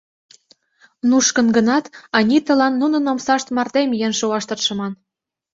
Нушкын гынат, Аниталан нунын омсашт марте миен шуаш тыршыман.